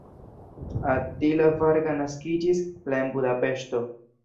Attila Varga naskiĝis la en Budapeŝto.